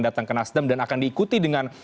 datang ke nasdem dan akan diikuti dengan